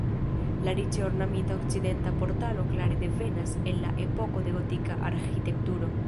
La riĉe ornamita okcidenta portalo klare devenas el la epoko de gotika arĥitekturo.